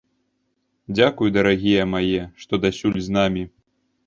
Дзякуй, дарагія мае, што дасюль з намі!